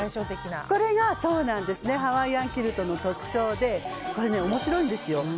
これがハワイアンキルトの特徴で面白いんですよ。